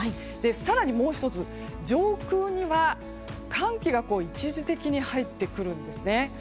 更にもう１つ、上空には寒気が一時的に入ってくるんですね。